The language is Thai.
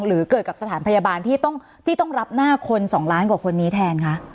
หรือเกิดกับสถานพยาบาลที่ต้องรับหน้าคน๒ล้านกว่าคนนี้แทนคะ